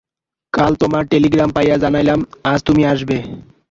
কাল তোমার টেলিগ্রাম পাইয়া জানাইলাম, আজ তুমি আসিবে।